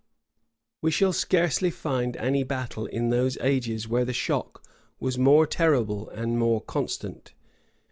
We shall scarcely find any battle in those ages where the shock was more terrible and more constant.